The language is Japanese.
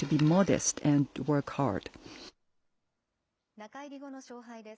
中入り後の勝敗です。